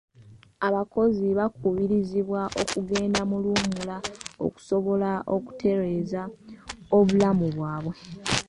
Abakozi bakubirizibwa okugenda mu luwummula okusobola okutereeza obulamu bwabwe.